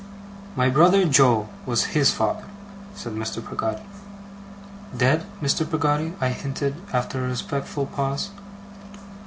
'My brother Joe was his father,' said Mr. Peggotty. 'Dead, Mr. Peggotty?' I hinted, after a respectful pause.